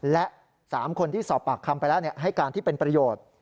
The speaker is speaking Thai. และ๓คนที่สอบปากคำไปแล้วให้การที่เป็นประโยชน์